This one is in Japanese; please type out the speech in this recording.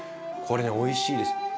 これねおいしいです。